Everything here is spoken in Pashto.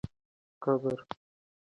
قبر یې په درنښت ښخ سو.